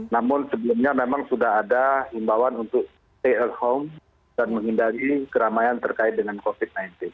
namun sebelumnya memang sudah ada himbawan untuk stay at home dan menghindari keramaian terkait dengan covid sembilan belas